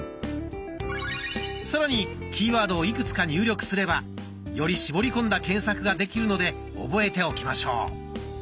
さらにキーワードをいくつか入力すればより絞り込んだ検索ができるので覚えておきましょう。